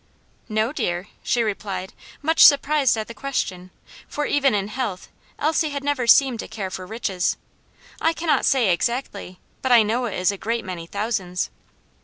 "No, dear," she replied, much surprised at the question, for even in health Elsie had never seemed to care for riches; "I cannot say exactly, but I know it is a great many thousands."